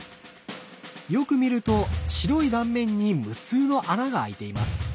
よく見ると白い断面に無数の穴が開いています。